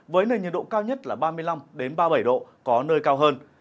với nền nhiệt độ cao nhất là ba mươi năm ba mươi bảy độ có nơi cao hơn